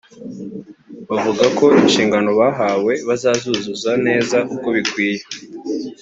bavuga ko inshingano bahawe bazazuzuza neza uko bikwiye